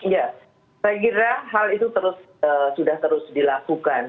ya saya kira hal itu sudah terus dilakukan